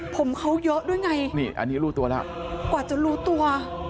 ผมเขาเยอะด้วยไงนี่อันนี้รู้ตัวแล้วกว่าจะรู้ตัว